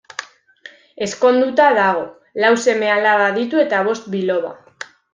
Ezkonduta dago, lau seme-alaba ditu eta bost biloba.